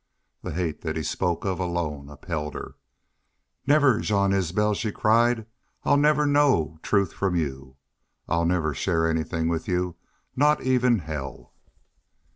The hate that he spoke of alone upheld her. "Never, Jean Isbel!" she cried. "I'll never know truth from y'u.... I'll never share anythin' with y'u not even hell."